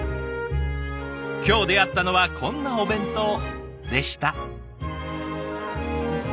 今日出会ったのはこんなお弁当でした。